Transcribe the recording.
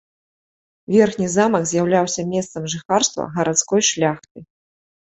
Верхні замак з'яўляўся месцам жыхарства гарадской шляхты.